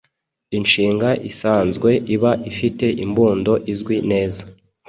Inshinga isanzwe iba ifite imbundo izwi neza